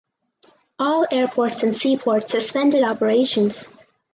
All airports and seaports suspended operations.